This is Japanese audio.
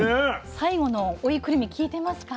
最後の追いくるみきいてますか？